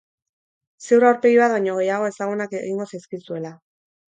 Ziur aurpegi bat baino gehiago ezagunak egingo zaizkizuela.